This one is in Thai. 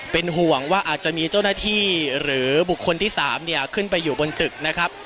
เป็นห่วงว่าอาจจะมีเจ้าหน้าที่หรือบุคคลที่๓เนี่ยขึ้นไปอยู่บนตึกนะครับ